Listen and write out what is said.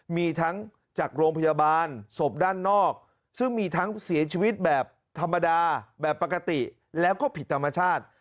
มีทั้งจากโรงพยาบาลศพด้านนอกซึ่งมีทั้งเสียชีวิตแบบธรรมดาแบบปกติแล้วก็ผิดธรรมชาติ